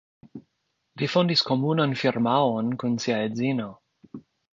Li fondis komunan firmaon kun sia edzino.